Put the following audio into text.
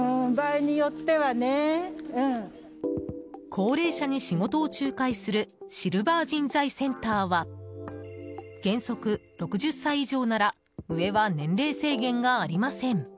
高齢者に仕事を仲介するシルバー人材センターは原則６０歳以上なら上は年齢制限がありません。